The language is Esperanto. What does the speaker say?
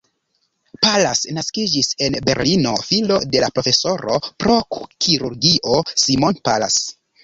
Pallas naskiĝis en Berlino, filo de la profesoro pro kirurgio Simon Pallas.